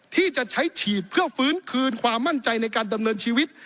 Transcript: ที่จะใช้ฉีดเพื่อฟื้นคืนความมั่นใจในการดำเนินชีวิต